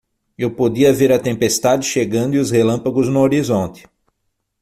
Eu podia ver a tempestade chegando e os relâmpagos no horizonte.